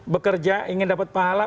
bekerja ingin dapat pahala